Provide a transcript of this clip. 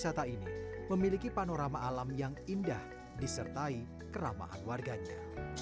wisata ini memiliki panorama alam yang indah disertai keramahan warganya